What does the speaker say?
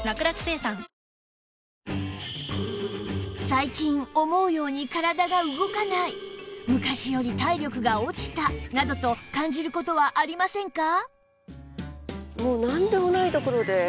最近思うように体が動かない昔より体力が落ちたなどと感じる事はありませんか？